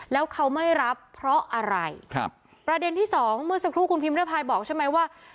แล้วเขาไม่รับเพราะอะไรครับประเด็นที่สองเมื่อสักครู่คุณพิมพ์ริพายบอกใช่ไหมว่า